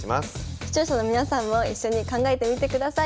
視聴者の皆さんも一緒に考えてみてください。